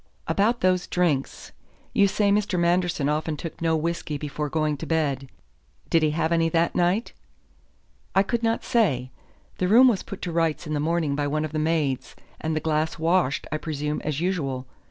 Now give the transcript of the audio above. "About those drinks. You say Mr. Manderson often took no whisky before going to bed. Did he have any that night?" "I could not say. The room was put to rights in the morning by one of the maids, and the glass washed, I presume, as usual.